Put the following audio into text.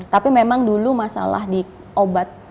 tapi memang dulu masalah di obat